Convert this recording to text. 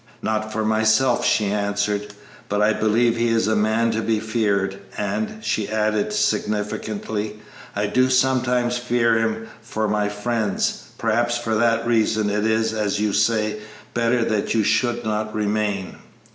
"Not for myself," she answered; "but I believe he is a man to be feared, and," she added, significantly, "I do sometimes fear him for my friends; perhaps for that reason it is, as you say, better that you should not remain."